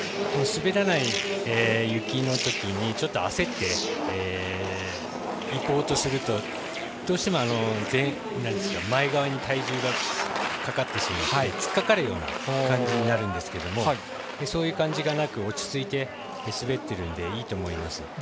滑らない雪のときにちょっと焦っていこうとするとどうしても前側に体重がかかってしまって突っかかるような感じになるんですけどそういう感じがなく落ち着いて滑っているのでいいと思います。